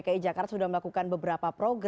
pemprov dki jakarta sudah melakukan beberapa projek